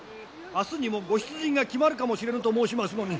明日にもご出陣が決まるかもしれぬと申しますのに。